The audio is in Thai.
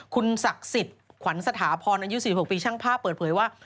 คุณศักดิ์สิทธิ์ขวัญสถาพรอายุ๔๖ปีช่างภาพเปิดเผยว่า